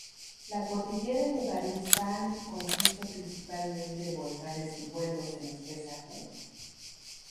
La cordillera de Barisan consiste principalmente de volcanes envueltos en espesa jungla.